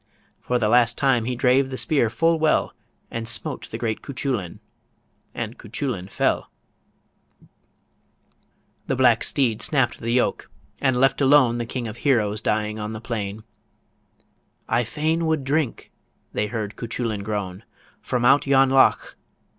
... For the last time he drave the spear full well, And smote the great Cuchullin and Cuchullin fell The Black steed snapp'd the yoke, and left alone The King of Heroes dying on the plain: "I fain would drink," they heard Cuchullin groan, "From out yon loch"